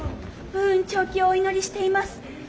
武運長久をお祈りしています。